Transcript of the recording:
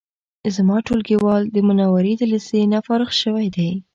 زما ټولګیوال د منورې د لیسې نه فارغ شوی دی